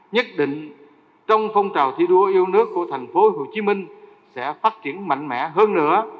nhất định trong phong trào thi đua yêu nước của tp hcm sẽ phát triển mạnh mẽ hơn nữa